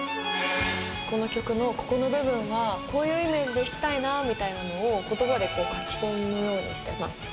この曲のここの部分はこういうイメージで弾きたいなみたいなのを言葉で書き込むようにしてます。